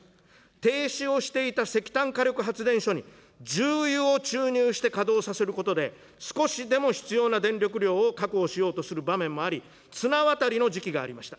停止をしていた石炭火力発電所に、重油を注入して稼働させることで、少しでも必要な電力量を確保しようとする場面もあり、綱渡りの時期がありました。